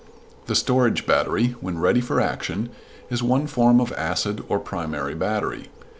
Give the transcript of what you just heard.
The storage battery, when ready for action, is one form of acid or primary battery.